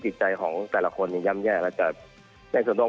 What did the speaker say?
ติดใจของแต่ละคนอย่างย่ำแย่